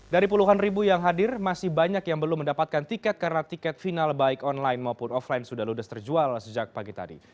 dari puluhan ribu yang hadir masih banyak yang belum mendapatkan tiket karena tiket final baik online maupun offline sudah ludes terjual sejak pagi tadi